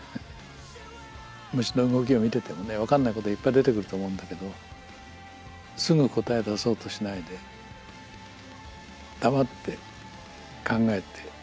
虫の動きを見ててもね分かんないこといっぱい出てくると思うんだけどすぐ答え出そうとしないで黙って考えて置いとく。